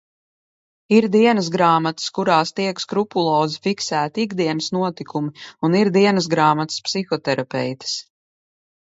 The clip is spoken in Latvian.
Ir dienasgrāmatas, kurās tiek skrupulozi fiksēti ikdienas notikumi, un ir dienasgrāmatas – psihoterapeites.